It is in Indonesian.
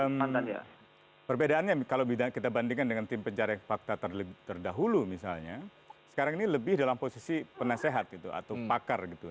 nah perbedaannya kalau kita bandingkan dengan tim pencari fakta terdahulu misalnya sekarang ini lebih dalam posisi penasehat gitu atau pakar gitu